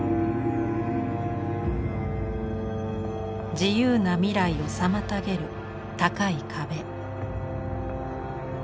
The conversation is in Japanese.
自由な未来を妨げる高い壁。